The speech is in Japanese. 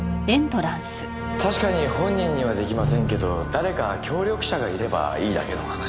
確かに本人には出来ませんけど誰か協力者がいればいいだけの話ですよね。